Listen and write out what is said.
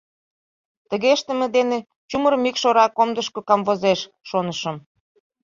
Тыге ыштыме дене чумыр мӱкш ора комдышко камвозеш, шонышым.